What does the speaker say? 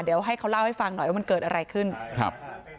เดี๋ยวให้เขาเล่าให้ฟังหน่อยว่ามันเกิดอะไรขึ้นครับ